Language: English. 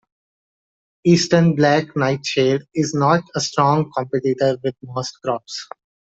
Eastern black nightshade is not a strong competitor with most crops.